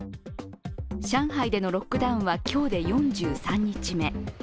上海でのロックダウンは今日で４３日目。